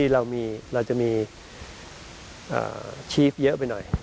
เราจะมีชีฟเยอะไปหน่อย